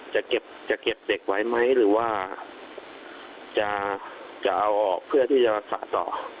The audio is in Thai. จะเก็บเด็กไว้ไหมหรือว่าจะเอาออกเพื่อที่จะรักษาต่อ